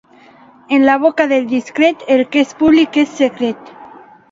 En la boca del discret, el que és públic és secret.